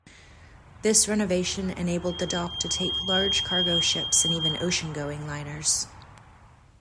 This renovation enabled the dock to take large cargo ships and even ocean-going liners.